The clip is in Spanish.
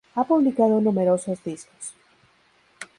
Ha publicado numerosos discos.